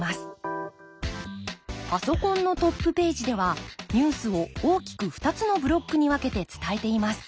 パソコンのトップページではニュースを大きく２つのブロックに分けて伝えています。